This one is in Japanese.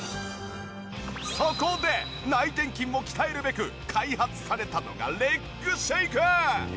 そこで内転筋を鍛えるべく開発されたのがレッグシェイク！